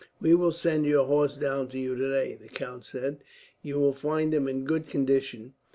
"We will send your horse down to you today," the count said. "You will find him in good condition.